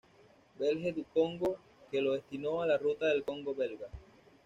Belge du Congo, que lo destinó a la ruta del Congo Belga.